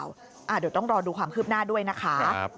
เดี๋ยวต้องรอดูความคืบหน้าด้วยนะคะ